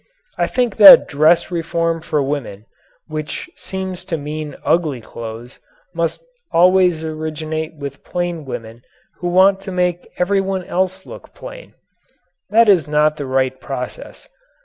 I think that dress reform for women which seems to mean ugly clothes must always originate with plain women who want to make everyone else look plain. That is not the right process.